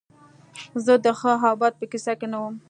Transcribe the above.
زه د ښه او بد په کیسه کې نه وم